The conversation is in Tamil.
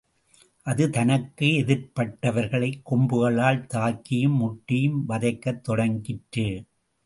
அது தனக்கு எதிர்ப்பட்டவர்களைக் கொம்புகளால் தாக்கியும் முட்டியும் வதைக்கத் தொடங்கிற்று.